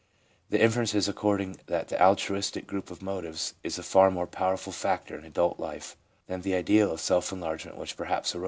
The inference is accordingly that the altruistic group of motives is a far more powerful factor in adult life than the ideal of self enlargement, which perhaps arose earlier in racial development.